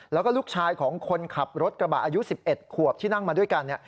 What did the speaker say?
แล้วก็ลูกชายของคนขับรถกระบะอายุ๑๑ขวบที่นั่งมาด้วยกัน